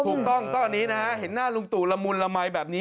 ถูกต้องตอนนี้นะฮะเห็นหน้าลุงตู่ละมุนละมัยแบบนี้